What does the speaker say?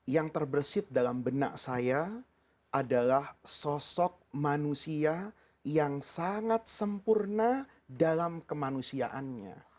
yang terbersih dalam benak saya adalah sosok manusia yang sangat sempurna dalam kemanusiaannya